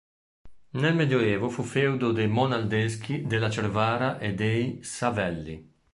Nel Medioevo fu feudo dei Monaldeschi della Cervara e dei Savelli.